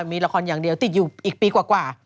มีละครอย่างเดียวติดอยู่อีกปีกว่า